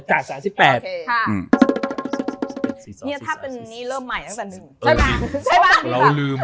ถ้าเป็นนี้เริ่มใหม่ตั้งแต่หนึ่ง